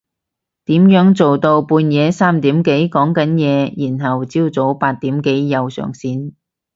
點樣做到半夜三點幾講緊嘢然後朝早八點幾又上線？